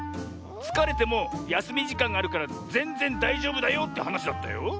つかれてもやすみじかんがあるからぜんぜんだいじょうぶだよってはなしだったよ。